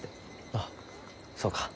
ああそうか。